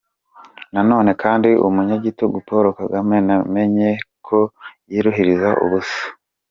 Nanone kandi Umunyagitugu Paul Kagame namenye ko yiruhiriza ubusa.